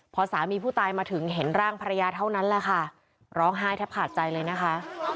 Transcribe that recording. พอสามีผู้ตายมาถึงเห็นร่างภรรยาเท่านั้นแหละค่ะร้องไห้แทบขาดใจเลยนะคะ